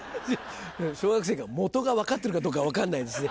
小学生が基が分かってるかどうか分かんないですね。